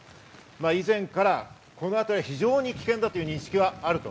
以前からこのあたりは非常に危険だという認識はあると。